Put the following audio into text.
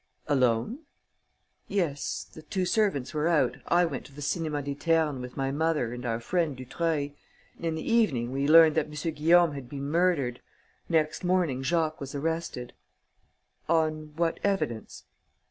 "Alone?" "Yes. The two servants were out. I went to the Cinéma des Ternes with my mother and our friend Dutreuil. In the evening, we learnt that M. Guillaume had been murdered. Next morning, Jacques was arrested." "On what evidence?"